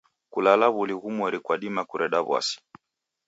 Kulala w'uli ghumweri kwadima kureda w'asi.